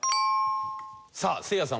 さあせいやさん